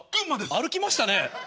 歩きましたね。